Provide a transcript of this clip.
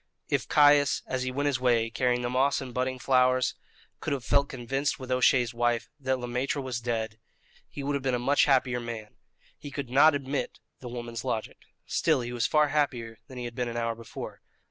If Caius, as he went his way carrying the moss and budding flowers, could have felt convinced with O'Shea's wife that Le Maître was dead, he would have been a much happier man. He could not admit the woman's logic. Still, he was far happier than he had been an hour before.